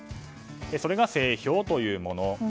それが整氷というもの。